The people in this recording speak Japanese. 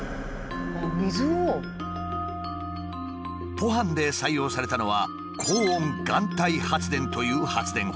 ポハンで採用されたのは「高温岩体発電」という発電方法。